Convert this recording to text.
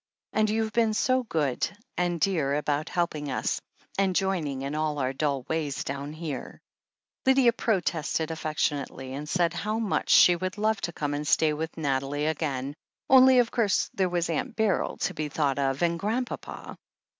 And you've been so good and dear about helping us, and joining in all our dull ways down here !" Lydia protested aflfectionately, and said how much she should love to come and stay with Nathalie again. Only, of course, there was Aunt Beryl to be thought of — and Grandpapa.